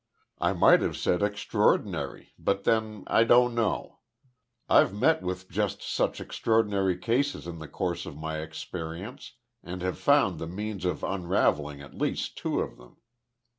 "I might have said extraordinary, but then, I don't know. I've met with just such extraordinary cases in the course of my experience, and have been the means of unravelling at least two of them.